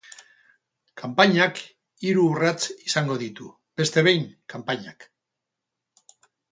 Kanpainak hiru urrats izango ditu, beste behin, kanpainak.